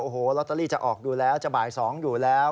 โอ้โหลอตเตอรี่จะออกดูแล้วจะบ่าย๒อยู่แล้ว